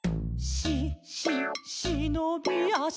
「し・し・しのびあし」